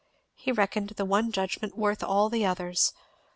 He reckoned the one judgment worth all the others.